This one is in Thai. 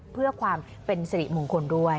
เพื่อความเป็นสิริมงคลด้วย